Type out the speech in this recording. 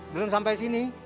belum sampai sini